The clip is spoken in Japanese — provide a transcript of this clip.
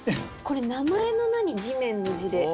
これ名前の「名」に地面の「地」で。